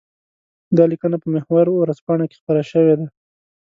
دا ليکنه په محور ورځپاڼه کې خپره شوې ده.